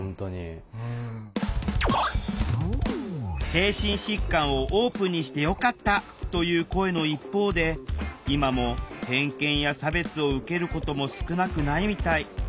精神疾患をオープンにしてよかったという声の一方で今も偏見や差別を受けることも少なくないみたい。